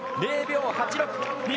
０秒８６。